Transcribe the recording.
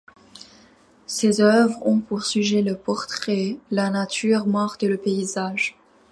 Ses œuvres ont pour sujets le portrait, la nature morte et le paysage.